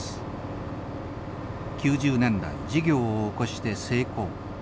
９０年代事業を起こして成功。